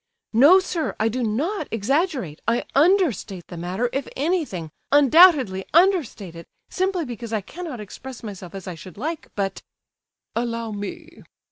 "No, sir, I do not exaggerate, I understate the matter, if anything, undoubtedly understate it; simply because I cannot express myself as I should like, but—" "Allow me!"